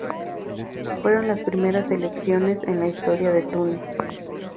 Fueron las primeras elecciones en la historia de Túnez.